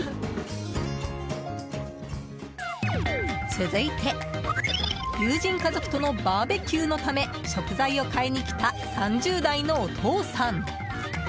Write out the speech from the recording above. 続いて、友人家族とのバーベキューのため食材を買いに来た３０代のお父さん。